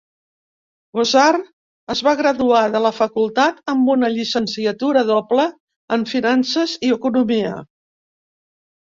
Kosar es va graduar de la facultat amb una llicenciatura doble en finances i economia.